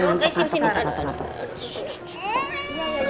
ngantuk deh ngantuk ngantuk